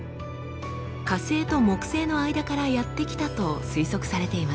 火星と木星の間からやって来たと推測されています。